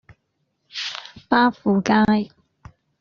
巴富街